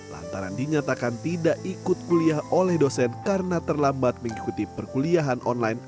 lantaran dinyatakan tidak ikut kuliah oleh dosen karena terlambat mengikuti perkuliahan online